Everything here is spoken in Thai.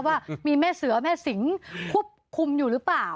ว่ามีแม่เสือแม่สิงควบคุมอยู่หรือเปล่า